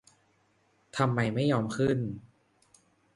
ทำไมไม่ยอมขึ้น